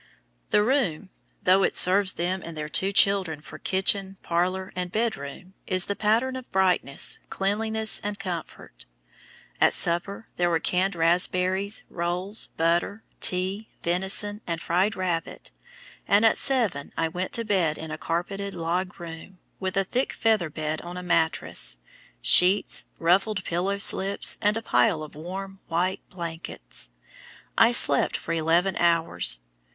The room, though it serves them and their two children for kitchen, parlor, and bed room, is the pattern of brightness, cleanliness, and comfort. At supper there were canned raspberries, rolls, butter, tea, venison, and fried rabbit, and at seven I went to bed in a carpeted log room, with a thick feather bed on a mattress, sheets, ruffled pillow slips, and a pile of warm white blankets! I slept for eleven hours.